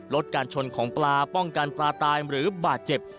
ลดการชนของปลาป้องกันปลาตายหรือบาดเจ็บ